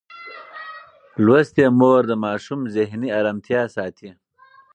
لوستې مور د ماشوم ذهني ارامتیا ساتي.